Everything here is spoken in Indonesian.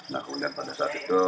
nah kemudian pada saat itu